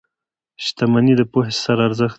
• شتمني د پوهې سره ارزښت لري.